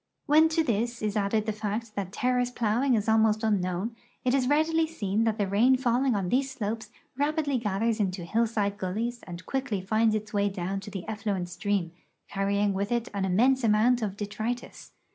\Mien to this is added the fact that ter race plowing is almost unknown, it is readily seen that the rain falling on these slopes rapidly gathers into hillside gullies and quickly finds its way down to the effluent stream, carrying with it an immense amount of detritus.